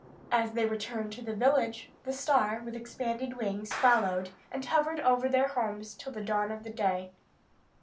As they returned to the village, the star, with expanded wings, followed, and hovered over their homes till the dawn of day.